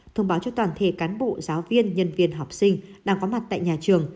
thông báo cho toàn thể cán bộ giáo viên nhân viên học sinh đang có mặt tại nhà trường